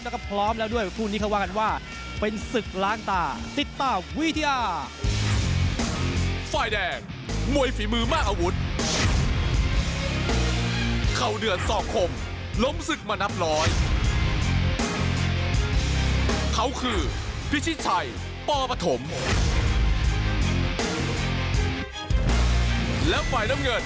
แล้วก็พร้อมและด้วยคุณนี้เขาว่ากันว่านี่เป็นศึกล้างตาติ๊กตาวีที่อา